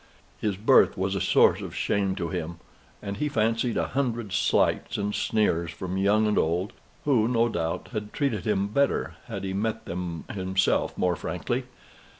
His birth was a source of shame to him, and he fancied a hundred slights and sneers from young and old, who, no doubt, had treated him better had he met them himself more frankly.